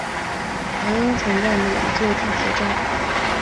凉荫丛站的一座地铁站。